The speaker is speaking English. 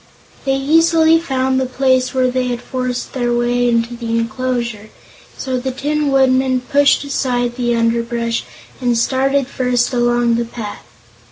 They easily found the place where they had forced their way into the enclosure, so the Tin Woodman pushed aside the underbrush and started first along the path.